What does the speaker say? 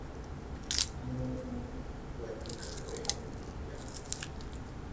Muʼun nwe tika kuenno iydiya.